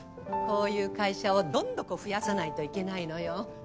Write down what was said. こういう会社をどんどこ増やさないといけないのよ。